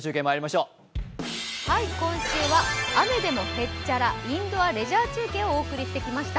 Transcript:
今週は、「雨でもへっちゃら！インドアレジャー中継」をお送りしてきました。